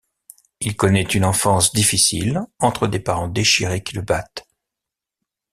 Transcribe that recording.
Il connaît une enfance difficile entre des parents déchirés qui le battent.